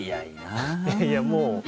いやいや、もう。